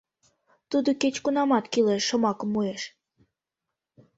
Тудо кеч-кунамат кӱлеш шомакым муэш.